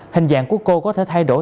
hình dạng của cô có thể thay đổi